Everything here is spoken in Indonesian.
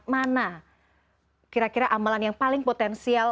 mana kira kira amalan yang paling potensial